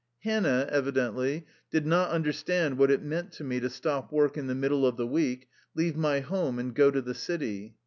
Hannah, evidently, did not understand what it meant to me to stop work in the middle of the week, leave my home, and go to the city.